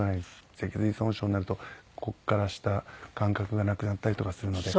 脊髄損傷になるとここから下感覚がなくなったりとかするので。